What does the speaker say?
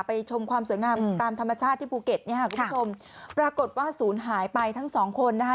ชมความสวยงามตามธรรมชาติที่ภูเก็ตเนี่ยค่ะคุณผู้ชมปรากฏว่าศูนย์หายไปทั้งสองคนนะคะ